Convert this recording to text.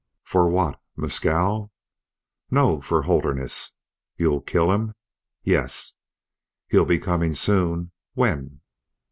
"For what? Mescal?" "No. For Holderness." "You'll kill him!" "Yes." "He'll be coming soon? When?"